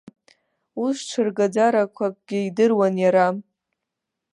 Ус ҽыргаӡарақәакгьы идыруан иара.